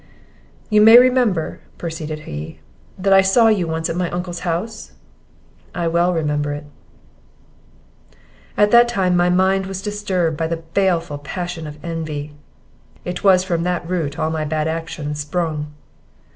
"You may remember," proceeded he, "that I saw you once at my uncle's house?" "I well remember it." "At that time my mind was disturbed by the baleful passion of envy; it was from that root all my bad actions sprung."